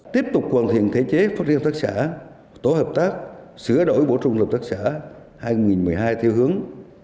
tiếp tục hoàn thiện thể chế phát triển hợp tác xã tổ hợp tác sửa đổi bổ trung hợp tác xã hai nghìn một mươi hai theo hướng